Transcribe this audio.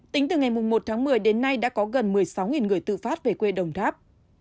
tính từ ngày một tháng một mươi đến nay đã có gần một mươi sáu người tự phát về quê đồng tháp